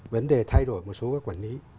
vấn đề thay đổi một số các quản lý